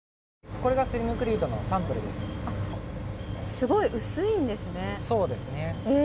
すごい薄いんですね。